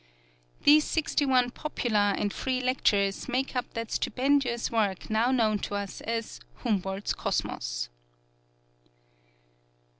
These sixty one "popular" and free lectures make up that stupendous work now known to us as "Humboldt's Cosmos."